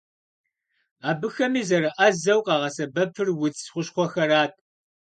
Абыхэми зэрыӏэзэу къагъэсэбэпыр удз хущхъуэхэрат.